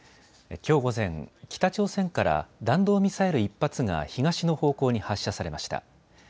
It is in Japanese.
きょう午前、北朝鮮から弾道ミサイル１発が東の方向に発射されました。